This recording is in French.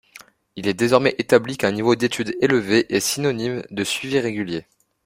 Il est désormais établi qu’un niveau d’études élevé est synonyme de suivi régulier.